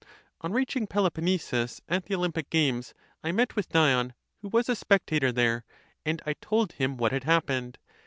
On reaching Peloponnesus at the Olympic games, I met with Dion, who was a spectator there, and I told him what had happened.